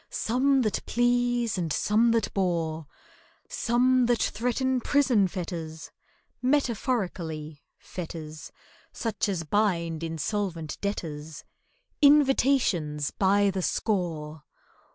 Some that please and some that bore, Some that threaten prison fetters (Metaphorically, fetters Such as bind insolvent debtors)— Invitations by the score.